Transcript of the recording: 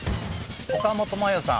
岡本真夜さん